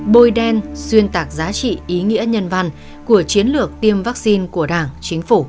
bôi đen xuyên tạc giá trị ý nghĩa nhân văn của chiến lược tiêm vaccine của đảng chính phủ